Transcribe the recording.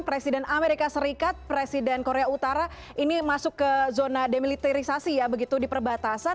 presiden amerika serikat presiden korea utara ini masuk ke zona demilitarisasi ya begitu di perbatasan